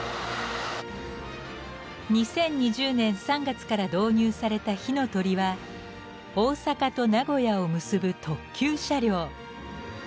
２０２０年３月から導入された「ひのとり」は大阪と名古屋を結ぶ特急車両。